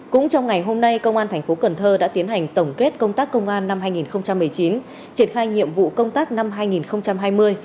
cũng trong ngày hôm nay công an tp cn đã tiến hành tổng kết công tác công an năm hai nghìn một mươi chín triển khai nhiệm vụ công tác năm hai nghìn hai mươi